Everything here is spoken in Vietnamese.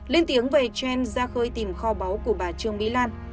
lên tiếng về trend ra khơi tìm kho báu của bà trương mỹ lan